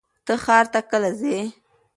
ته ښار ته کله ځې؟